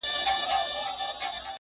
چي په ټولو حیوانانو کي نادان وو،